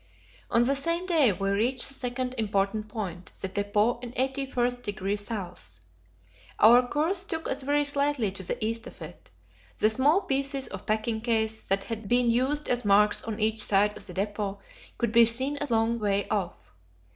On the same day we reached the second important point the depot in 81° S. Our course took us very slightly to the east of it. The small pieces of packing case that had been used as marks on each side of the depot could be seen a long way off.